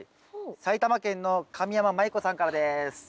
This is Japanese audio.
埼玉県の神山まい子さんからです。